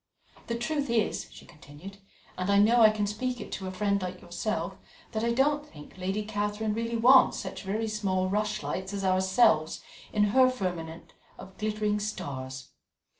"The truth is," she continued, "and I know I can speak it to a friend like yourself, that I don't think Lady Catherine really wants such very small rushlights as ourselves in her firmament of glittering stars.